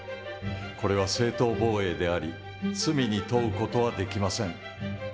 これは正当防衛であり罪に問う事はできません。